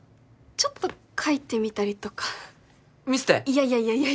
ちょっと書いてみたりとか見せていやいやいやいや